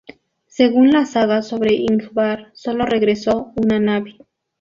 Según la saga sobre Ingvar, solo regresó una nave.